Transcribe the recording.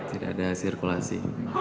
tidak ada sirkulasi